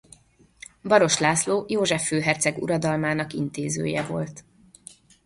Baross László József főherceg uradalmának intézője volt.